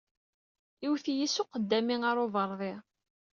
Iwet-iyi s uqeddami ɣer ubeṛdi.